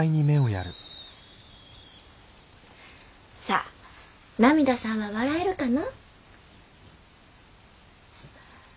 さあナミダさんは笑えるかな？